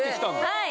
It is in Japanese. はい！